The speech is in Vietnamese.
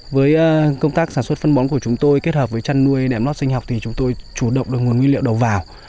với công tác sản xuất phân bón của chúng tôi kết hợp với chăn nuôi đẻm lót sinh học thì chúng tôi chủ động được nguồn nguyên liệu đầu vào